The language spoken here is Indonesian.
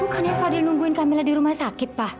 bukannya fadil nungguin kamila di rumah sakit pa